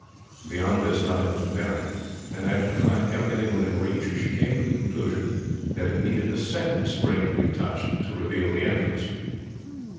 Beyond this nothing was apparent; and after trying everything within reach she came to the conclusion that it needed a second spring to be touched to reveal the entrance.